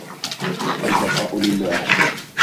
البقاء لله